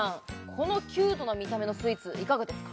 このキュートな見た目のスイーツいかがですか？